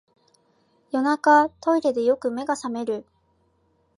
夜中、トイレでよく目が覚める